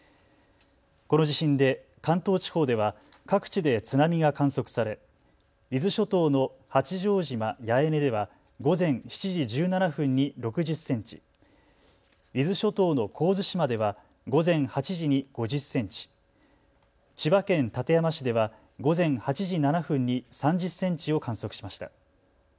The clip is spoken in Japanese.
この地震で関東地方では各地で津波が観測され伊豆諸島の八丈島八重根では午前７時１７分に６０センチ、伊豆諸島の神津島では午前８時に５０センチ、千葉県館山市では午前８時７分に３０センチを観測しました。